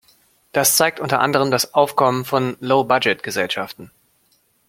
Das zeigt unter anderem das Aufkommen von low-budget -Gesellschaften.